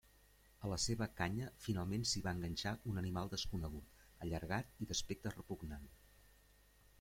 A la seva canya finalment s'hi va enganxar un animal desconegut, allargat i d'aspecte repugnant.